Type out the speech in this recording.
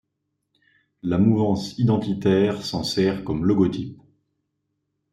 La mouvance identitaire s'en sert comme logotype.